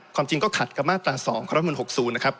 ความจริงก็ขัดกับมาตรา๒๖๐นะครับ